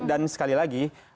dan sekali lagi